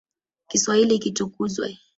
Kiswahili kitukuzwe.